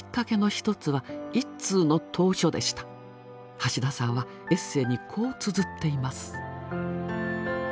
橋田さんはエッセーにこうつづっています。